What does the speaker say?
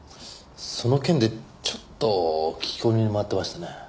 その件でちょっと聞き込みに回ってましてね。